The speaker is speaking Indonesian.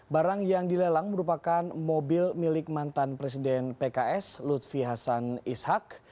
barang yang dilelang merupakan mobil milik mantan presiden pks lutfi hasan ishak